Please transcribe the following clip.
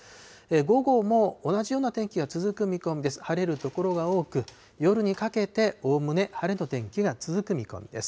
午後も同じような所も続く見込みです。